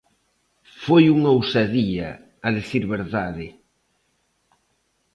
Foi unha ousadía, a dicir verdade.